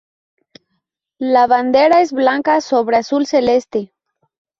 La bandera es blanca sobre azul celeste.